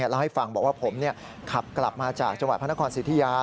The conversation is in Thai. เล่าให้ฟังบอกว่าผมขับกลับมาจากจังหวัดพระนครสิทธิยา